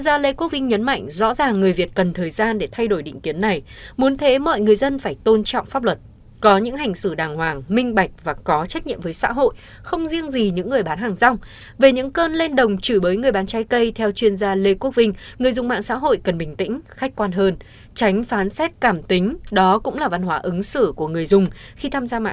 đó cũng là văn hóa ứng xử của người dùng khi tham gia mạng xã hội